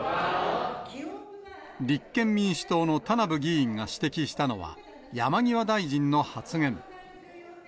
立憲民主党の田名部議員が指摘したのは、山際大臣の発言。